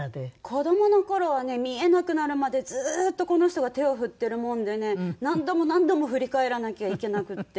子どもの頃はね見えなくなるまでずーっとこの人が手を振ってるもんでね何度も何度も振り返らなきゃいけなくて。